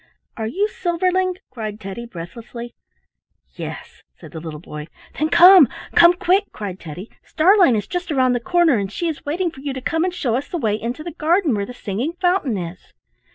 "Are you Silverling?" cried Teddy, breathlessly. "Yes," said the little boy. "Then come! come quick!" cried Teddy. "Starlein is just around the corner, and she is waiting for you to come and show us the way into the garden where the singing fountain is."